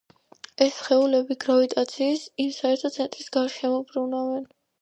ეს სხეულები გრავიტაციის იმ საერთო ცენტრის გარშემო ბრუნავენ,